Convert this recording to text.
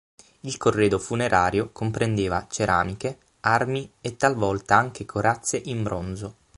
Il corredo funerario comprendeva ceramiche, armi e talvolta anche corazze in bronzo.